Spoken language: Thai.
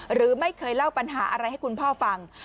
หรือไม่เคยเล่าปัญหาอะไรให้คุณพ่อฟัง